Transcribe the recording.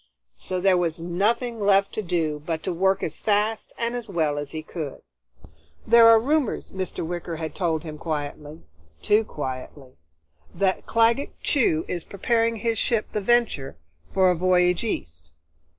So there was nothing left to do but to work as fast and as well as he could. "There are rumors," Mr. Wicker had told him quietly, too quietly, "that Claggett Chew is preparing his ship, the Venture, for a voyage East.